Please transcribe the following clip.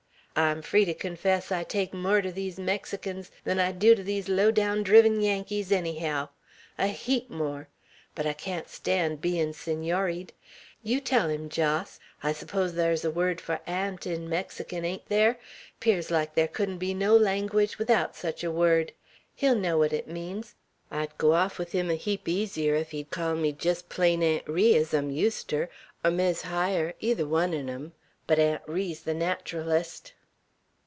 I'm free to confess I take more ter these Mexicans than I do ter these low down, driven Yankees, ennyhow, a heap more; but I can't stand bein' Senory'd! Yeow tell him, Jos. I s'pose thar's a word for 'aunt' in Mexican, ain't there? 'Pears like thar couldn't be no langwedge 'thout sech a word! He'll know what it means! I'd go off with him a heap easier ef he'd call me jest plain Aunt Ri, ez I'm used ter, or Mis Hyer, either un on 'em; but Aunt Ri's the nateralest."